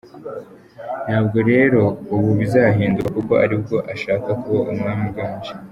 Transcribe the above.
Ntabwo rero ari ubu bizahinduka kandi aribwo ashaka kuba umwami uganje.